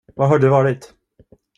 Var har du varit?